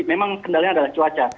memang kendalanya adalah cuaca